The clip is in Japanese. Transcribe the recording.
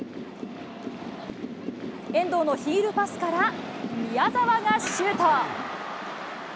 遠藤のヒールパスから、宮澤がシュート。